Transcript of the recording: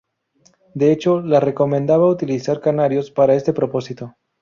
De hecho, la recomendaba utilizar canarios para este propósito.